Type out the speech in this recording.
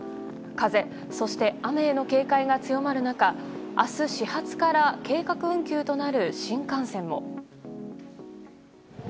風、そして雨への警戒が強まる中明日、始発から計画運休となる新幹線も。